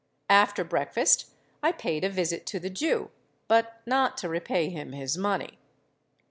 After breakfast I paid a visit to the Jew—but not to repay him his money.